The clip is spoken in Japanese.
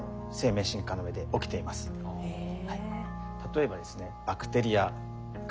例えばですね